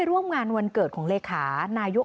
ทีนี้จากการสืบส่งของตำรวจพวกต้นเนี่ยค่ะ